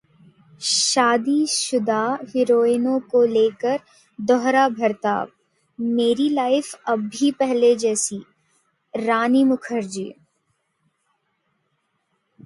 शादीशुदा हीरोइनों को लेकर दोहरा बर्ताव, मेरी लाइफ अब भी पहले जैसी: रानी मुखर्जी